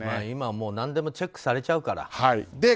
今はもう何でもチェックされちゃうから。